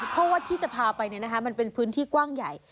เพราะว่าที่จะพาไปมันเป็นพื้นที่กว้างใหญ่